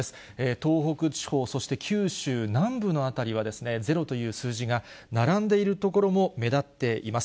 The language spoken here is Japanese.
東北地方、そして九州南部の辺りはゼロという数字が並んでいる所も目立っています。